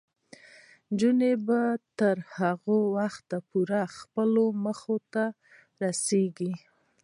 نجونې به تر هغه وخته پورې خپلو موخو ته رسیږي.